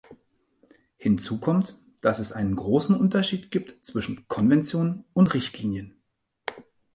Hinzu kommt, dass es einen großen Unterschied gibt zwischen Konventionen und Richtlinien.